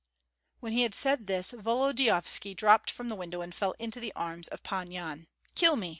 When he had said this, Volodyovski dropped from the window and fell into the arms of Pan Yan. "Kill me!"